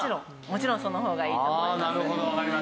もちろんその方がいいと思います。